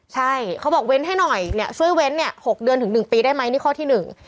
ใช่เขาบอกเว้นให้หน่อยช่วยเว้น๖เดือนถึง๑ปีได้ไหมนี่ข้อที่หนึ่ง